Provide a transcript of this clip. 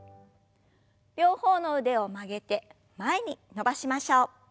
両方の腕を曲げて前に伸ばしましょう。